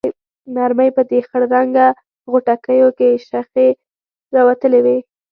مرمۍ په دې خړ رنګه غوټکیو کې شخې راوتلې وې.